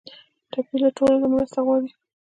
ټپي له ټولو نه مرسته غواړي.